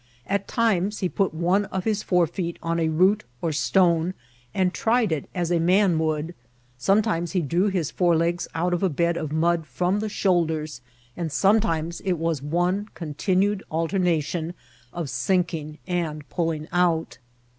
At times he put one of his fore feet on a root or stone, and tried it as a man would ; sometimes he drew his fore legs out of a bed of mud from the shoulders, and sometimes it was one continued alternation of sinking and pulling out.